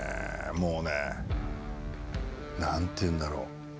もうね何て言うんだろう。